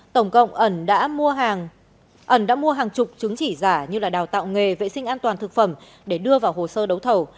tổng cộng ẩn đã mua hàng chục chứng chỉ giả như là đào tạo nghề vệ sinh an toàn thực phẩm để đưa vào hồ sơ đấu thầu